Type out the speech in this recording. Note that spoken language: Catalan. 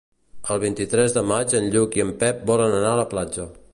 El vint-i-tres de maig en Lluc i en Pep volen anar a la platja.